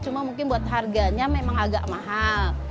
cuma mungkin buat harganya memang agak mahal